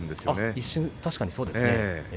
一瞬、確かにそうですね。